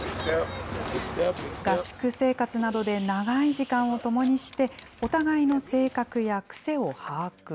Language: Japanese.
合宿生活などで長い時間を共にして、お互いの性格や癖を把握。